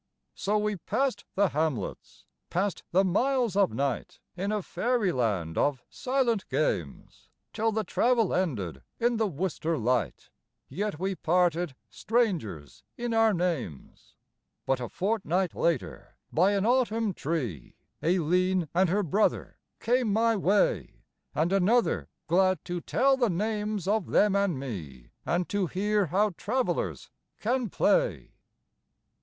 So we passed the hamlets, passed the miles of night In a fairyland of silent games, Till the travel ended in the Worcester light, Yet we parted, strangers in our names. But a fortnight later, by an autumn tree, Aileen and her brother came my way, And another, glad to tell the names of them and me, And to hear how travellers can play.